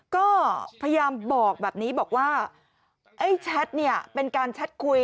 ก็พยายามบอกแบบนี้บอกว่าไอ้แชทเนี่ยเป็นการแชทคุย